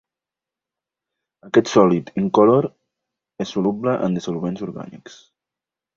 Aquest sòlid incolor és soluble en dissolvents orgànics.